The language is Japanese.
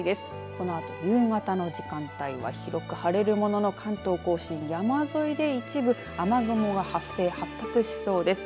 このあと夕方の時間帯は広く晴れるものの、関東甲信山沿いで一部雨雲が発生、発達しそうです。